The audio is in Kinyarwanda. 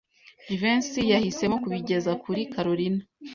Jivency yahisemo kubigeza kuri Kalorina.